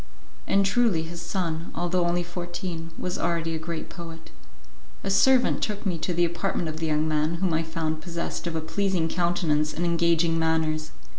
And truly his son, although only fourteen, was already a great poet. A servant took me to the apartment of the young man whom I found possessed of a pleasing countenance and engaging manners.